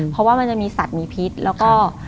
เพราะว่ามันจะมีสัตว์มีพิษแล้วก็